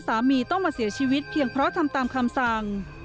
สามีต้องมาเสียชีวิตเพียงเพราะทำตามคำสั่ง